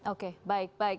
oke baik baik